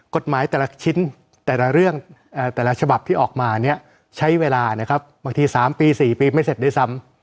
กฎหมายแต่ละชิ้นแต่ละเรื่องแต่ละฉบับที่ออกมาเนี่ยใช้เวลานะครับบางที๓ปี๔ปีไม่เสร็จด้วยซ้ำ